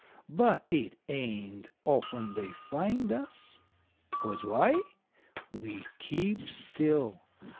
But it ain't often they find us. Cause why? We keep still.